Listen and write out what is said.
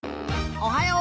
おはよう。